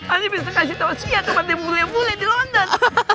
ana bisa kasih tau sian tempat yang boleh boleh di london